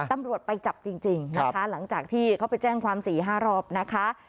ตำรวจไปจับจริงนะคะหลังจากที่เขาไปแจ้งความ๔๕รอบนะคะ